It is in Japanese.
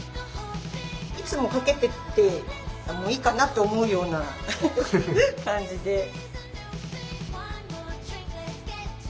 いつも掛けててもいいかなと思うような感じで。